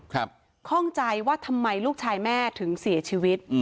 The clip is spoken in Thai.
ข้องใจว่าทำไมลูกชายแม่ถึงเสียชีวิตอืม